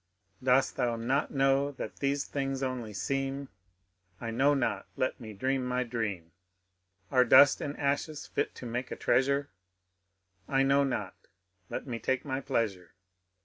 Dost thou not know that these things only seem ?— I know not, let me dream my dream. Are dnst and ashes fit to make a treasure ?— I know not, let me take my pleasure.